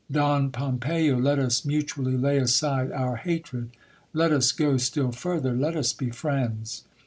Don Pompeyo, let us mutually lay aside our hatred. Let us go still further ; let us be friends.